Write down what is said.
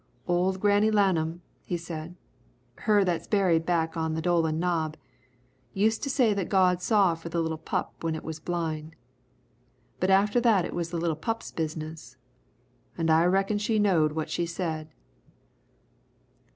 "Old Granny Lanum," he said, "her that's buried back on the Dolan Knob, used to say that God saw for the little pup when it was blind, but after that it was the little pup's business. An' I reckon she knowed what she said."